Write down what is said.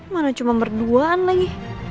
mana cuma berduaan lagi